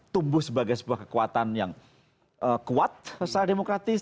tumbuh sebagai sebuah kekuatan yang kuat secara demokratis